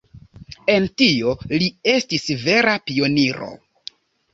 En tio, li estis vera pioniro.